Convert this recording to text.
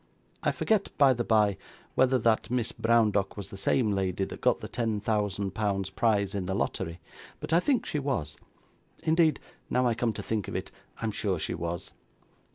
I forget, by the bye, whether that Miss Browndock was the same lady that got the ten thousand pounds prize in the lottery, but I think she was; indeed, now I come to think of it, I am sure she was.